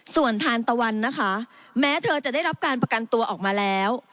ส่วนทานตะวันนะคะแม้เธอจะได้รับการประกันตัวออกมาแล้ว